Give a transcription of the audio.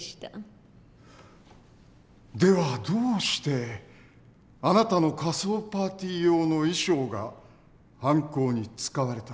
ではどうしてあなたの仮装パーティー用の衣装が犯行に使われたのか？